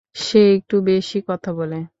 সে একটু বেশী কথা বলে।